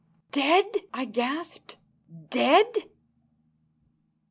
"Dead!" I gasped. "Dead!"